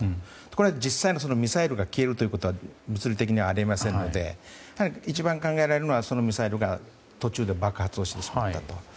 これは実際ミサイルが消えることは物理的にはあり得ませんので一番考えられるのはそのミサイルが途中で爆発をしてしまったと。